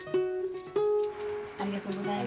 ありがとうございます。